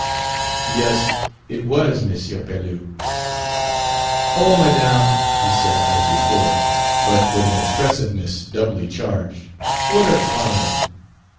Yes, it was M. Pelouse. "Oh, Madame!" he said, as before, but with an expressiveness doubly charged, "what a climate!"